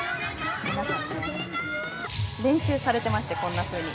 練習されてまして、こんなふうに。